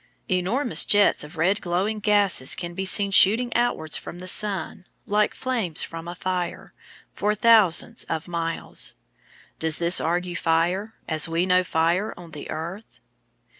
Enormous jets of red glowing gases can be seen shooting outwards from the sun, like flames from a fire, for thousands of miles. Does this argue fire, as we know fire on the earth?